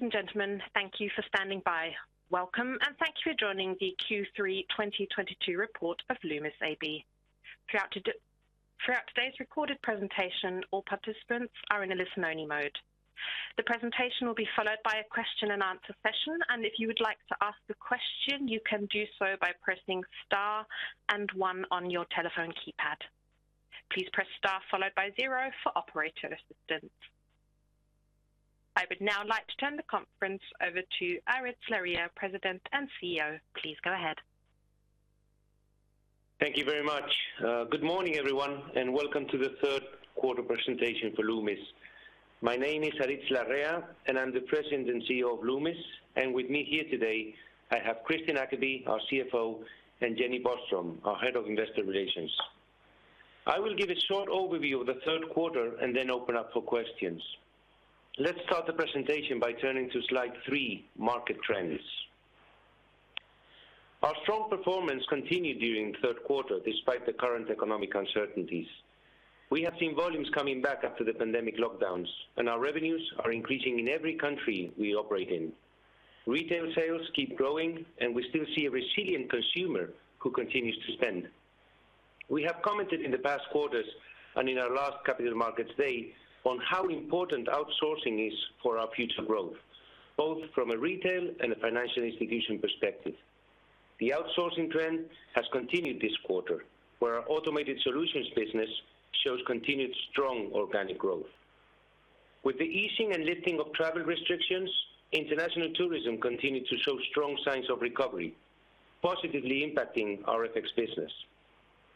Ladies and gentlemen, thank you for standing by. Welcome, and thank you for joining the Q3 2022 report of Loomis AB. Throughout today's recorded presentation, all participants are in a listen-only mode. The presentation will be followed by a question and answer session, and if you would like to ask a question, you can do so by pressing star and one on your telephone keypad. Please press star followed by zero for operator assistance. I would now like to turn the conference over to Aritz Larrea, President and CEO. Please go ahead. Thank you very much. Good morning, everyone, and welcome to the third quarter presentation for Loomis. My name is Aritz Larrea, and I'm the President and CEO of Loomis. With me here today, I have Kristian Ackeby, our CFO, and Jenny Boström, our Head of Investor Relations. I will give a short overview of the third quarter and then open up for questions. Let's start the presentation by turning to slide three, market trends. Our strong performance continued during the third quarter despite the current economic uncertainties. We have seen volumes coming back after the pandemic lockdowns, and our revenues are increasing in every country we operate in. Retail sales keep growing, and we still see a resilient consumer who continues to spend. We have commented in the past quarters and in our last Capital Markets Day on how important outsourcing is for our future growth, both from a retail and a financial institution perspective. The outsourcing trend has continued this quarter, where our Automated Solutions business shows continued strong organic growth. With the easing and lifting of travel restrictions, international tourism continued to show strong signs of recovery, positively impacting our FX business.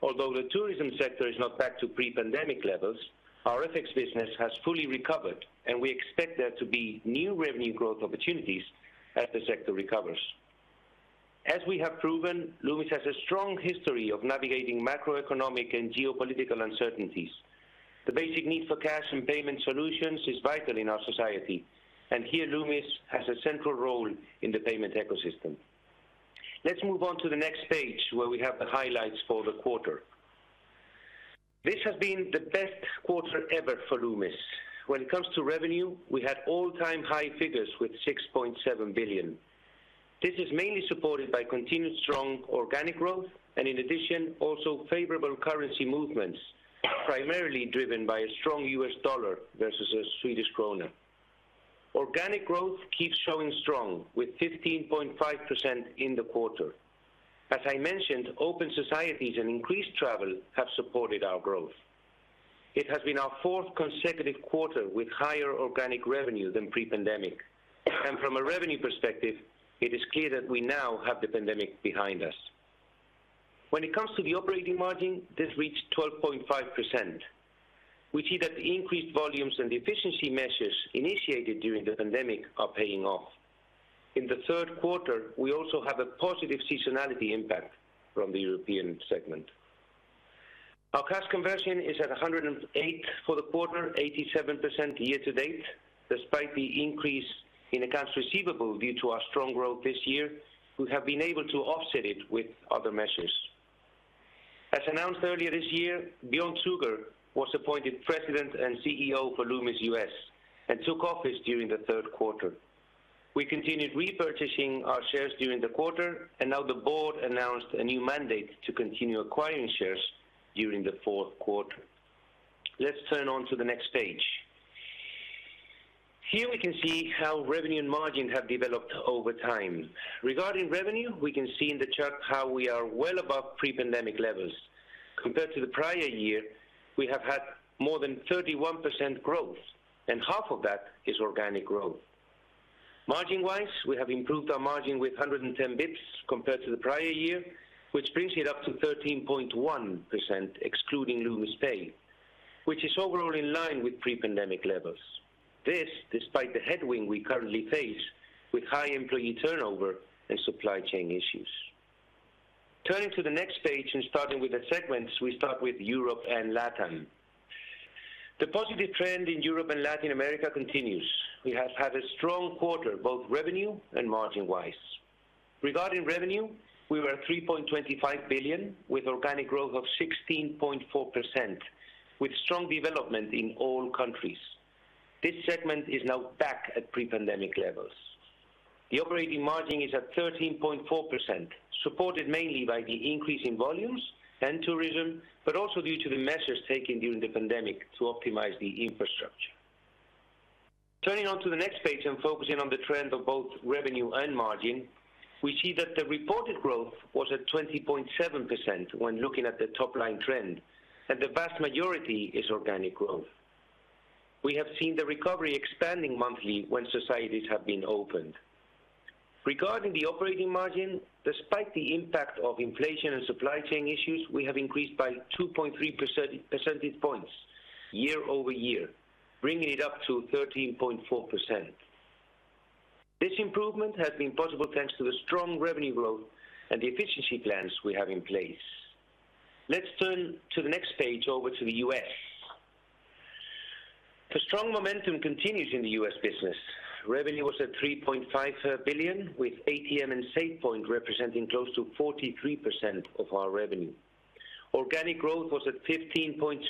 Although the tourism sector is not back to pre-pandemic levels, our FX business has fully recovered, and we expect there to be new revenue growth opportunities as the sector recovers. As we have proven, Loomis has a strong history of navigating macroeconomic and geopolitical uncertainties. The basic need for cash and payment solutions is vital in our society, and here Loomis has a central role in the payment ecosystem. Let's move on to the next page, where we have the highlights for the quarter. This has been the best quarter ever for Loomis. When it comes to revenue, we had all-time high figures with 6.7 billion. This is mainly supported by continued strong organic growth and, in addition, also favorable currency movements, primarily driven by a strong US dollar versus a Swedish krona. Organic growth keeps showing strong with 15.5% in the quarter. As I mentioned, open societies and increased travel have supported our growth. It has been our fourth consecutive quarter with higher organic revenue than pre-pandemic. From a revenue perspective, it is clear that we now have the pandemic behind us. When it comes to the operating margin, this reached 12.5%. We see that the increased volumes and the efficiency measures initiated during the pandemic are paying off. In the third quarter, we also have a positive seasonality impact from the European segment. Our cash conversion is at 108% for the quarter, 87% year to date. Despite the increase in accounts receivable due to our strong growth this year, we have been able to offset it with other measures. As announced earlier this year, Björn Züger was appointed President and CEO for Loomis U.S. and took office during the third quarter. We continued repurchasing our shares during the quarter, and now the board announced a new mandate to continue acquiring shares during the fourth quarter. Let's turn to the next page. Here we can see how revenue and margin have developed over time. Regarding revenue, we can see in the chart how we are well above pre-pandemic levels. Compared to the prior year, we have had more than 31% growth, and half of that is organic growth. Margin-wise, we have improved our margin with 110 basis points compared to the prior year, which brings it up to 13.1%, excluding Loomis Pay, which is overall in line with pre-pandemic levels. This despite the headwind we currently face with high employee turnover and supply chain issues. Turning to the next page and starting with the segments, we start with Europe and LatAm. The positive trend in Europe and Latin America continues. We have had a strong quarter, both revenue and margin-wise. Regarding revenue, we were 3.25 billion, with organic growth of 16.4%, with strong development in all countries. This segment is now back at pre-pandemic levels. The operating margin is at 13.4%, supported mainly by the increase in volumes and tourism, but also due to the measures taken during the pandemic to optimize the infrastructure. Turning to the next page and focusing on the trend of both revenue and margin, we see that the reported growth was at 20.7% when looking at the top line trend, and the vast majority is organic growth. We have seen the recovery expanding monthly when societies have been opened. Regarding the operating margin, despite the impact of inflation and supply chain issues, we have increased by 2.3 percentage points year-over-year, bringing it up to 13.4%. This improvement has been possible thanks to the strong revenue growth and the efficiency plans we have in place. Let's turn to the next page over to the U.S. The strong momentum continues in the US business. Revenue was at 3.5 billion, with ATM and SafePoint representing close to 43% of our revenue. Organic growth was at 15.2%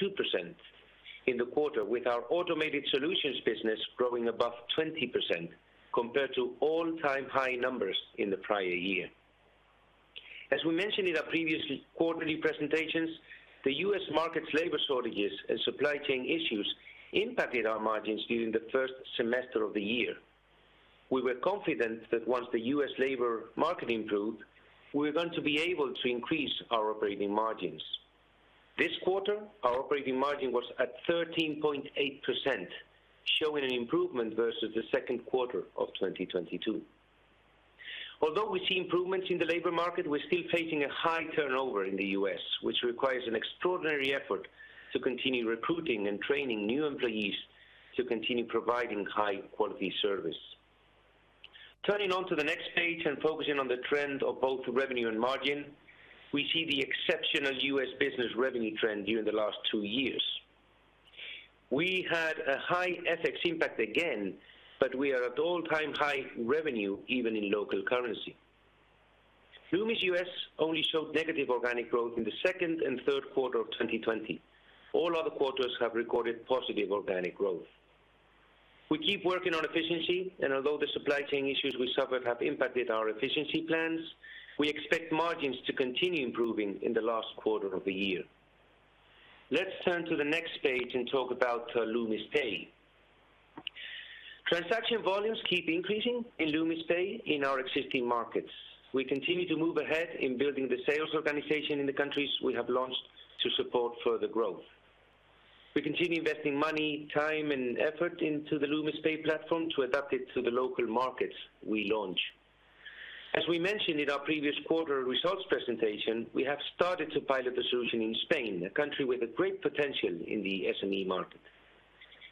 in the quarter, with our Automated Solutions business growing above 20% compared to all-time high numbers in the prior year. As we mentioned in our previous quarterly presentations, the US market labor shortages and supply chain issues impacted our margins during the first semester of the year. We were confident that once the US labor market improved, we were going to be able to increase our operating margins. This quarter, our operating margin was at 13.8%, showing an improvement versus the second quarter of 2022. Although we see improvements in the labor market, we're still facing a high turnover in the U.S., which requires an extraordinary effort to continue recruiting and training new employees to continue providing high-quality service. Turning to the next page and focusing on the trend of both revenue and margin, we see the exceptional US business revenue trend during the last two years. We had a high FX impact again, but we are at all-time high revenue even in local currency. Loomis U.S. only showed negative organic growth in the second and third quarter of 2020. All other quarters have recorded positive organic growth. We keep working on efficiency, and although the supply chain issues we suffered have impacted our efficiency plans, we expect margins to continue improving in the last quarter of the year. Let's turn to the next page and talk about Loomis Pay. Transaction volumes keep increasing in Loomis Pay in our existing markets. We continue to move ahead in building the sales organization in the countries we have launched to support further growth. We continue investing money, time, and effort into the Loomis Pay platform to adapt it to the local markets we launch. As we mentioned in our previous quarter results presentation, we have started to pilot the solution in Spain, a country with a great potential in the SME market.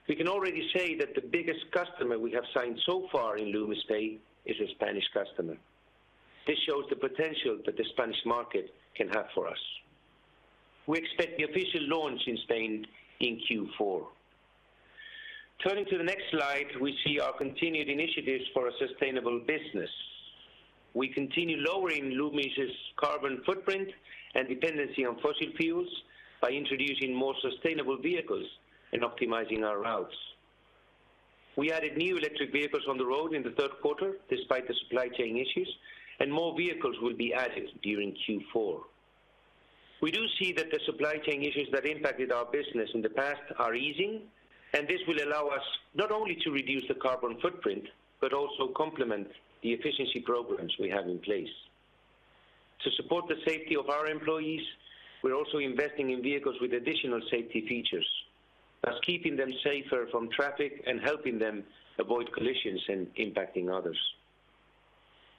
We can already say that the biggest customer we have signed so far in Loomis Pay is a Spanish customer. This shows the potential that the Spanish market can have for us. We expect the official launch in Spain in Q4. Turning to the next slide, we see our continued initiatives for a sustainable business. We continue lowering Loomis' carbon footprint and dependency on fossil fuels by introducing more sustainable vehicles and optimizing our routes. We added new electric vehicles on the road in the third quarter despite the supply chain issues, and more vehicles will be added during Q4. We do see that the supply chain issues that impacted our business in the past are easing, and this will allow us not only to reduce the carbon footprint, but also complement the efficiency programs we have in place. To support the safety of our employees, we're also investing in vehicles with additional safety features, thus keeping them safer from traffic and helping them avoid collisions and impacting others.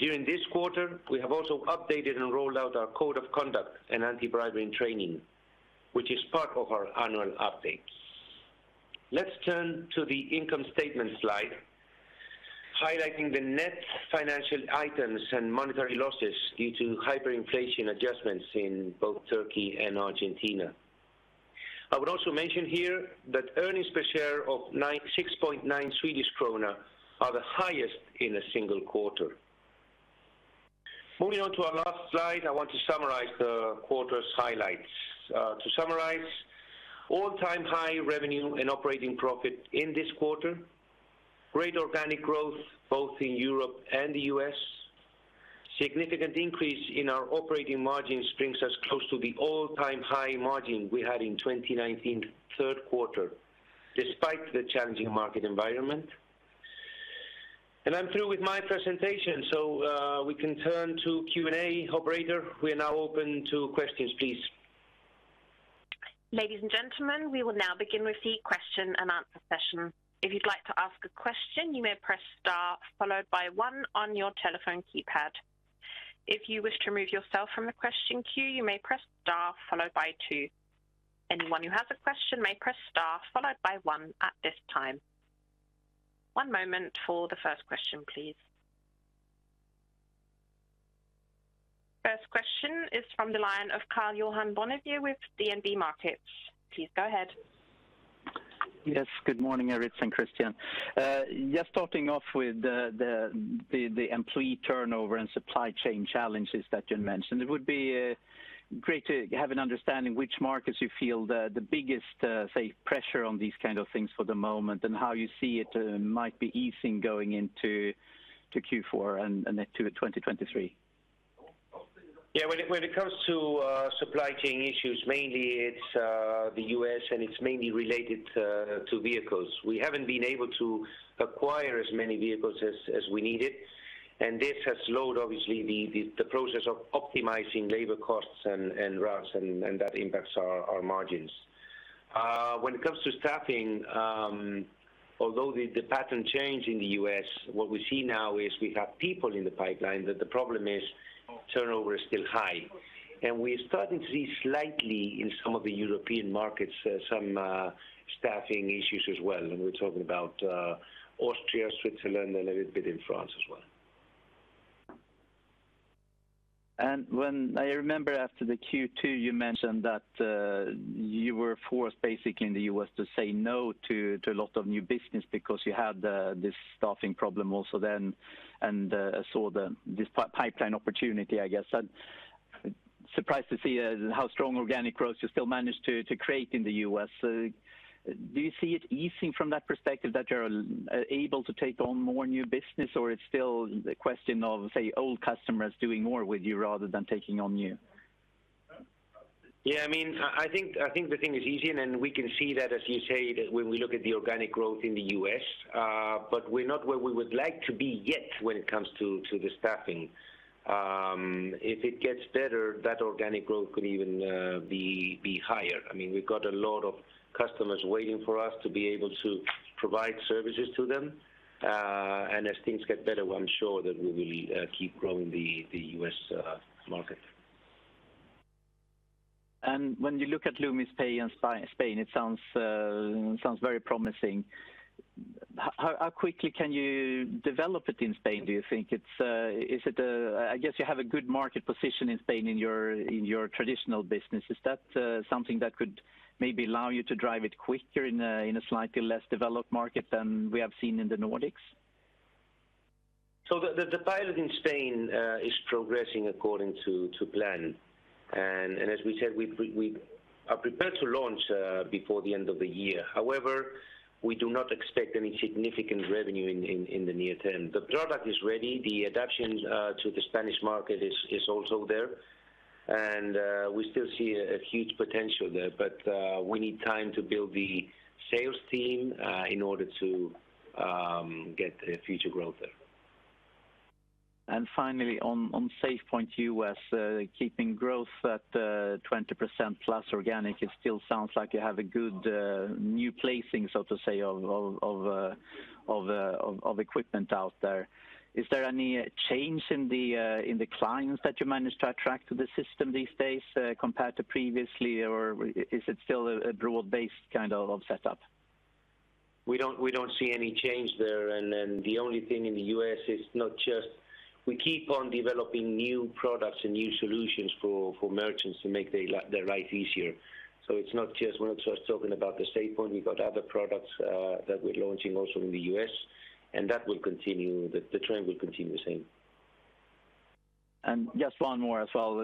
During this quarter, we have also updated and rolled out our code of conduct and anti-bribery training, which is part of our annual update. Let's turn to the income statement slide, highlighting the net financial items and monetary losses due to hyperinflation adjustments in both Turkey and Argentina. I would also mention here that earnings per share of 6.9 Swedish krona are the highest in a single quarter. Moving on to our last slide, I want to summarize the quarter's highlights. To summarize, all-time high revenue and operating profit in this quarter. Great organic growth, both in Europe and the U.S. Significant increase in our operating margins brings us close to the all-time high margin we had in 2019 third quarter, despite the challenging market environment. I'm through with my presentation, so we can turn to Q&A. Operator, we are now open to questions, please. Ladies and gentlemen, we will now begin with the question-and-answer session. If you'd like to ask a question, you may press star followed by one on your telephone keypad. If you wish to remove yourself from the question queue, you may press star followed by two. Anyone who has a question may press star followed by one at this time. One moment for the first question, please. First question is from the line of Karl-Johan Bonnevier with DNB Markets. Please go ahead. Yes. Good morning, Aritz Larrea and Kristian Ackeby. Just starting off with the employee turnover and supply chain challenges that you mentioned. It would be great to have an understanding which markets you feel the biggest say pressure on these kind of things for the moment, and how you see it might be easing going into Q4 and then to 2023. Yeah. When it comes to supply chain issues, mainly it's the U.S., and it's mainly related to vehicles. We haven't been able to acquire as many vehicles as we needed, and this has slowed obviously the process of optimizing labor costs and routes, and that impacts our margins. When it comes to staffing, although the pattern changed in the U.S., what we see now is we have people in the pipeline, but the problem is turnover is still high. We're talking about Austria, Switzerland, and a little bit in France as well. I remember after the Q2, you mentioned that you were forced basically in the U.S. to say no to a lot of new business because you had this staffing problem also then, and saw the pipeline opportunity, I guess. Surprised to see how strong organic growth you still managed to create in the U.S. Do you see it easing from that perspective that you're able to take on more new business? Or it's still the question of, say, old customers doing more with you rather than taking on new? Yeah, I mean, I think the thing is easing, and we can see that, as you say, when we look at the organic growth in the U.S. We're not where we would like to be yet when it comes to the staffing. If it gets better, that organic growth could even be higher. I mean, we've got a lot of customers waiting for us to be able to provide services to them. As things get better, I'm sure that we will keep growing the US market. When you look at Loomis Pay in Spain, it sounds very promising. How quickly can you develop it in Spain, do you think? I guess you have a good market position in Spain in your traditional business. Is that something that could maybe allow you to drive it quicker in a slightly less developed market than we have seen in the Nordics? The pilot in Spain is progressing according to plan. As we said, we are prepared to launch before the end of the year. However, we do not expect any significant revenue in the near term. The product is ready, the adaption to the Spanish market is also there. We still see a huge potential there. We need time to build the sales team in order to get future growth there. Finally, on SafePoint US, keeping growth at 20%+ organic, it still sounds like you have a good new placing, so to say, of equipment out there. Is there any change in the clients that you managed to attract to the system these days, compared to previously? Or is it still a broad-based kind of setup? We don't see any change there. Then the only thing in the U.S. is we keep on developing new products and new solutions for merchants to make their life easier. It's not just talking about the SafePoint. We've got other products that we're launching also in the U.S., and that will continue. The trend will continue the same. Just one more as well.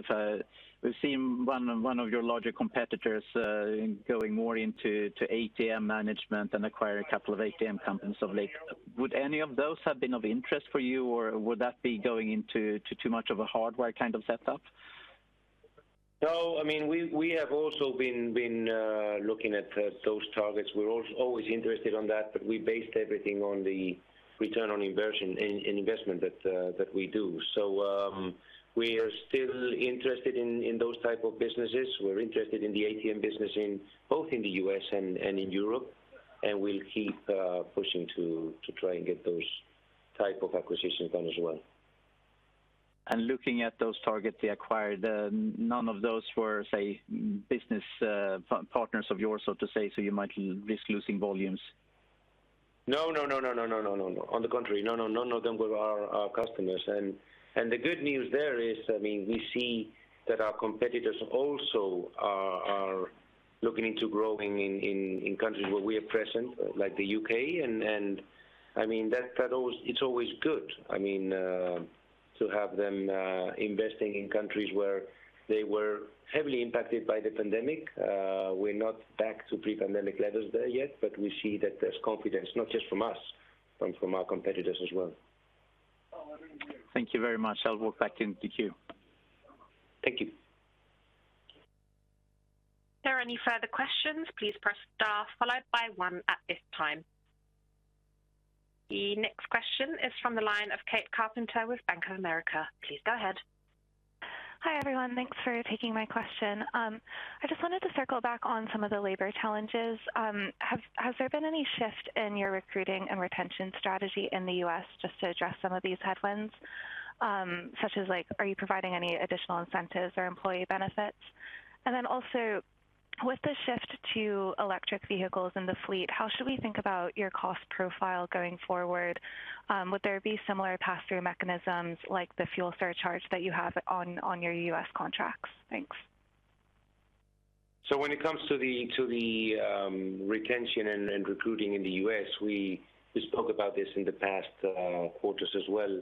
We've seen one of your larger competitors going more into ATM management and acquiring a couple of ATM companies of late. Would any of those have been of interest for you, or would that be going into too much of a hardware kind of setup? No. I mean, we have also been looking at those targets. We're always interested in that, but we based everything on the return on investment that we do. We are still interested in those type of businesses. We're interested in the ATM business in both the U.S. and in Europe. We'll keep pushing to try and get those type of acquisitions done as well. Looking at those targets they acquired, none of those were, say, business partners of yours, so to say, so you might risk losing volumes? No. On the contrary, no, none of them were our customers. The good news there is, I mean, we see that our competitors also are looking into growing in countries where we are present, like the U.K., and I mean, that always, it's always good, I mean, to have them investing in countries where they were heavily impacted by the pandemic. We're not back to pre-pandemic levels there yet, but we see that there's confidence, not just from us, but from our competitors as well. Thank you very much. I'll walk back in the queue. Thank you. If there are any further questions, please press star followed by one. At this time, the next question is from the line of [Kate Carpenter] with Bank of America. Please go ahead. Hi, everyone. Thanks for taking my question. I just wanted to circle back on some of the labor challenges. Has there been any shift in your recruiting and retention strategy in the U.S. just to address some of these headwinds? Such as, like, are you providing any additional incentives or employee benefits? With the shift to electric vehicles in the fleet, how should we think about your cost profile going forward? Would there be similar pass-through mechanisms like the fuel surcharge that you have on your US contracts? Thanks. When it comes to the retention and recruiting in the U.S., we spoke about this in the past quarters as well.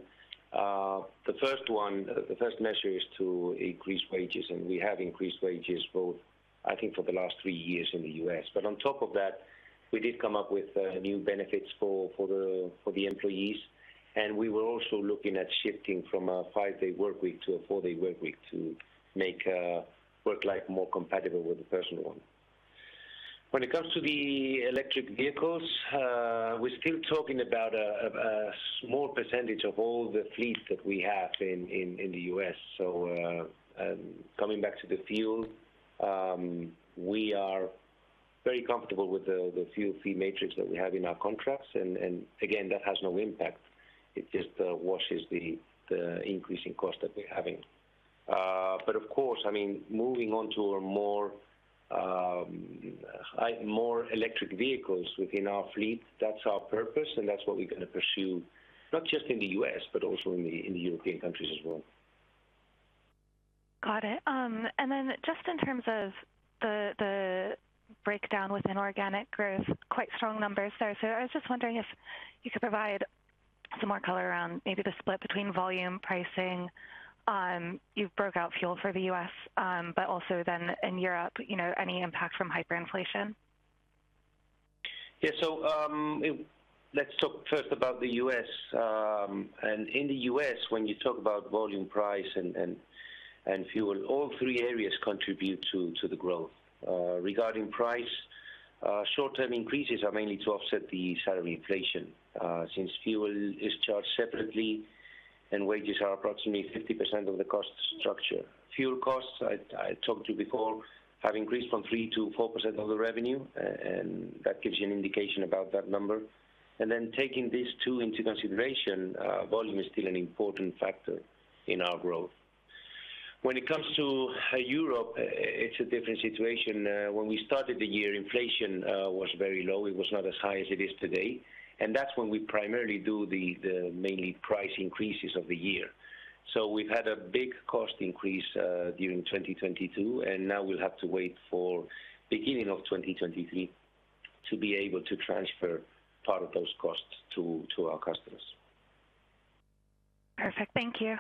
The first measure is to increase wages, and we have increased wages both, I think, for the last three years in the U.S. On top of that, we did come up with new benefits for the employees, and we were also looking at shifting from a five-day workweek to a four-day workweek to make work life more compatible with the personal one. When it comes to the electric vehicles, we're still talking about a small percentage of all the fleet that we have in the U.S. Coming back to the fuel, we are very comfortable with the fuel fee matrix that we have in our contracts, and again, that has no impact. It just washes the increasing cost that we're having. Of course, I mean, moving on to more electric vehicles within our fleet, that's our purpose, and that's what we're going to pursue, not just in the U.S., but also in the European countries as well. Got it. Just in terms of the Breakdown within organic growth, quite strong numbers there. I was just wondering if you could provide some more color around maybe the split between volume pricing. You've broken out fuel for the U.S., but also then in Europe, you know, any impact from hyperinflation? Yeah. Let's talk first about the U.S. In the U.S. when you talk about volume, price and fuel, all three areas contribute to the growth. Regarding price, short-term increases are mainly to offset the salary inflation, since fuel is charged separately and wages are approximately 50% of the cost structure. Fuel costs, I talked to you before, have increased from 3%-4% of the revenue, and that gives you an indication about that number. Then taking these two into consideration, volume is still an important factor in our growth. When it comes to Europe, it's a different situation. When we started the year, inflation was very low. It was not as high as it is today, and that's when we primarily do the mainly price increases of the year. We've had a big cost increase during 2022, and now we'll have to wait for beginning of 2023 to be able to transfer part of those costs to our customers. Perfect. Thank you.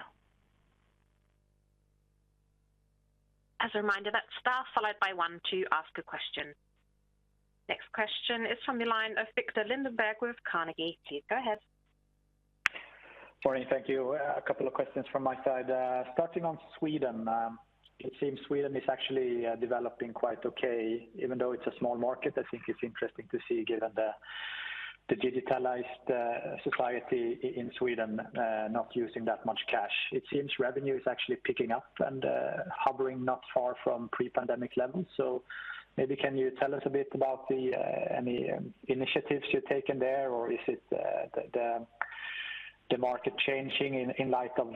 As a reminder, that's star followed by one to ask a question. Next question is from the line of Viktor Lindeberg with Carnegie. Please go ahead. Morning. Thank you. A couple of questions from my side. Starting on Sweden. It seems Sweden is actually developing quite okay, even though it's a small market. I think it's interesting to see given the digitalized society in Sweden not using that much cash. It seems revenue is actually picking up and hovering not far from pre-pandemic levels. Maybe can you tell us a bit about any initiatives you're taking there, or is it the market changing in light of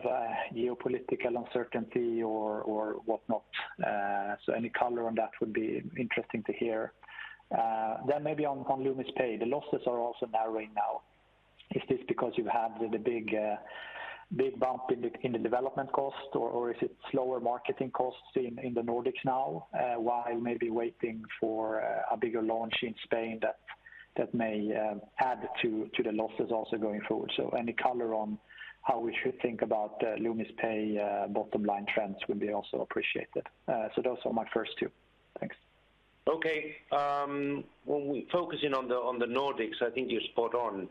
geopolitical uncertainty or whatnot? Any color on that would be interesting to hear. Maybe on Loomis Pay, the losses are also narrowing now. Is this because you've had the big bump in the development cost, or is it slower marketing costs in the Nordics now, while maybe waiting for a bigger launch in Spain that may add to the losses also going forward? Any color on how we should think about Loomis Pay bottom line trends would be also appreciated. Those are my first two. Thanks. Okay. When we're focusing on the Nordics, I think you're spot on.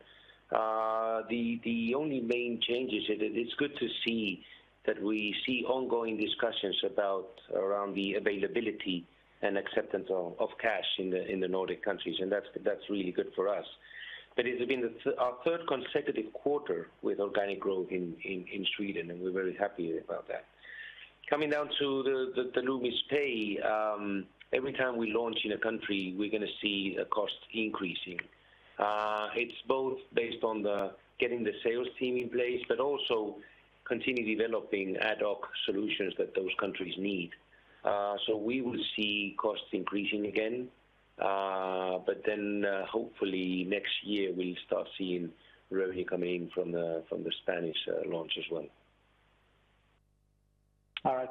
The only main change is that it's good to see that we see ongoing discussions about around the availability and acceptance of cash in the Nordic countries, and that's really good for us. It's been our third consecutive quarter with organic growth in Sweden, and we're very happy about that. Coming down to the Loomis Pay, every time we launch in a country, we're gonna see a cost increasing. It's both based on the getting the sales team in place, but also continue developing ad hoc solutions that those countries need. We will see costs increasing again, but then hopefully next year we'll start seeing revenue coming in from the Spanish launch as well. All right.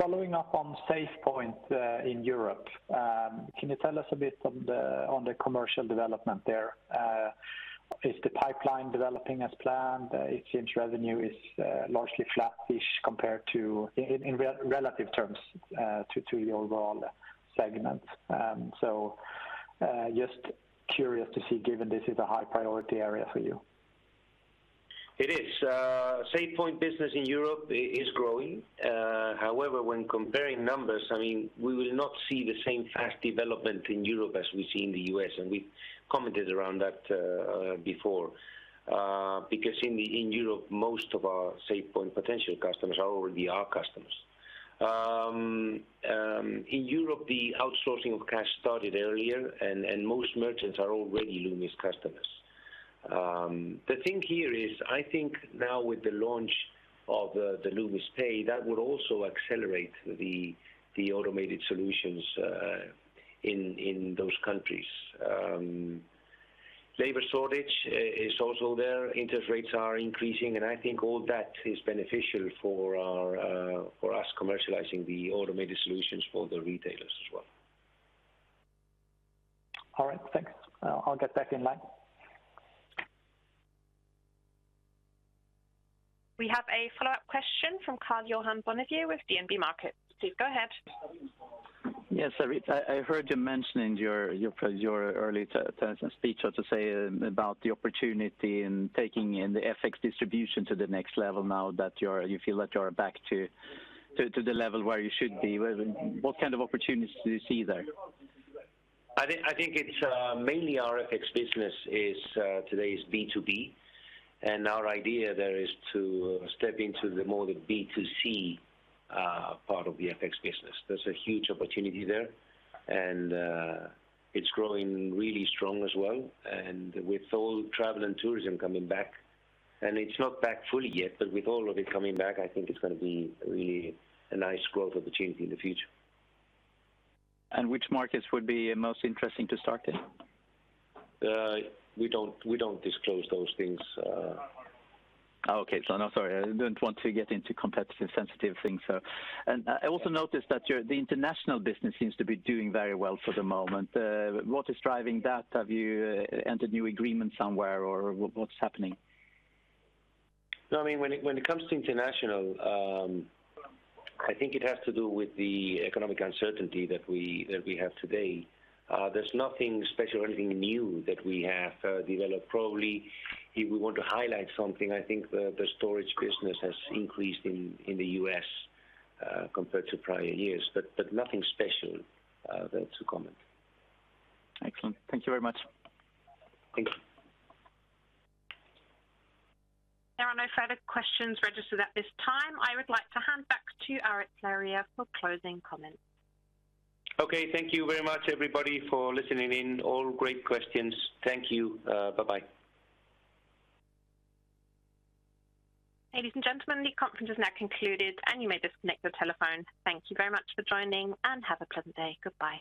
Following up on SafePoint in Europe, can you tell us a bit on the commercial development there? Is the pipeline developing as planned? It seems revenue is largely flattish compared to, in relative terms, to the overall segment. Just curious to see given this is a high priority area for you. It is. SafePoint business in Europe is growing. However, when comparing numbers, I mean, we will not see the same fast development in Europe as we see in the U.S., and we've commented around that before. Because in Europe, most of our SafePoint potential customers are already our customers. In Europe, the outsourcing of cash started earlier and most merchants are already Loomis customers. The thing here is, I think now with the launch of the Loomis Pay, that would also accelerate the automated solutions in those countries. Labor shortage is also there. Interest rates are increasing, and I think all that is beneficial for us commercializing the automated solutions for the retailers as well. All right. Thanks. I'll get back in line. We have a follow-up question from Karl-Johan Bonnevier with DNB Markets. Please go ahead. Yes, Aritz, I heard you mention in your earlier speech, so to say, about the opportunity in taking the FX distribution to the next level now that you feel that you are back to the level where you should be. What kind of opportunities do you see there? I think it's mainly our FX business today is B2B, and our idea there is to step into the B2C part of the FX business. There's a huge opportunity there, and it's growing really strong as well. With all travel and tourism coming back, and it's not back fully yet, but with all of it coming back, I think it's gonna be really a nice growth opportunity in the future. Which markets would be most interesting to start in? We don't disclose those things. Oh, okay. No, sorry. I don't want to get into competitive sensitive things. I also noticed that your the international business seems to be doing very well for the moment. What is driving that? Have you entered new agreements somewhere, or what's happening? No, I mean, when it comes to international, I think it has to do with the economic uncertainty that we have today. There's nothing special or anything new that we have developed. Probably if we want to highlight something, I think the storage business has increased in the U.S. compared to prior years, but nothing special there to comment. Excellent. Thank you very much. Thank you. There are no further questions registered at this time. I would like to hand back to Aritz Larrea for closing comments. Okay. Thank you very much, everybody, for listening in. All great questions. Thank you. Bye-bye. Ladies and gentlemen, the conference is now concluded, and you may disconnect your telephone. Thank you very much for joining, and have a pleasant day. Goodbye.